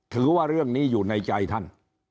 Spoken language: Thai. ถือว่าเรื่องนี้อยู่ในใจท่าน